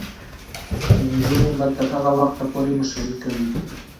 نجونې به تر هغه وخته پورې مشري کوي.